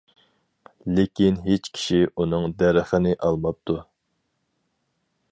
لېكىن ھېچ كىشى ئۇنىڭ دەرىخىنى ئالماپتۇ.